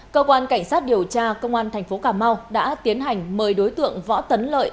cơ quan cảnh sát điều tra công an thành phố cà mau đã tiến hành mời đối tượng võ tấn lợi